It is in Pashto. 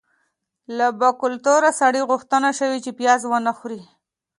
له باکلتوره سړي غوښتنه شوې چې پیاز ونه خوري.